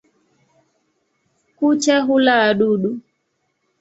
Kucha hula wadudu.